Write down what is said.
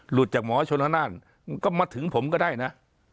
จากหมอชนธนานก็มาถึงผมก็ได้นะ